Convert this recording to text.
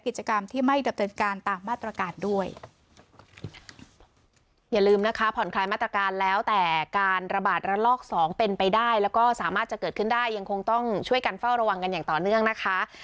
คล้ายมาตรการแล้วแต่การระบาดระลอกสองเป็นไปได้และก็สามารถจะเกิดได้ยังคงต้องช่วยกันเฝ้าระวังกันอย่างต่อเนื่องนะคะ